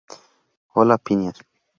Hola, Phineas.